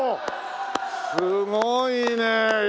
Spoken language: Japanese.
すごいね！